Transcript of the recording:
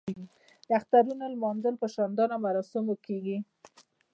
د اخترونو لمانځل په شاندارو مراسمو کیږي.